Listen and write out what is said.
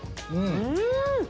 うん！